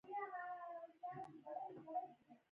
افغانستان کې د نفت په اړه زده کړه کېږي.